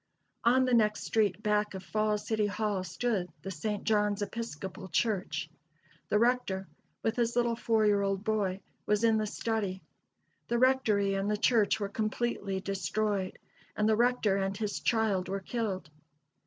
On the next street back of Falls City Hall stood the St. John's Episcopal Church. The rector, with his little four year old boy, was in the study. The rectory and the church were completely destroyed, and the rector and his child were killed.